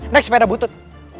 naik sepeda butut